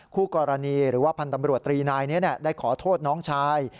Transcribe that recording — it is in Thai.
คู่กรณีหรือว่าพันธ์ตำรวจตรีนายนี้ได้ขอโทษน้องชาย